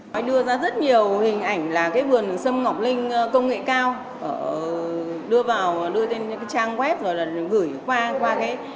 bà đưa ra rất nhiều hình ảnh là vườn sâm ngọc linh công nghệ cao đưa vào trang web